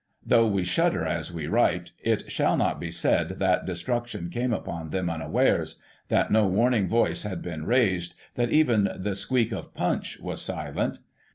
— though we shudder as we write, it shall not be said that destruction came upon them unawcires — ^that no warning voice had been raised — ^that even the squeak of Punch was silent!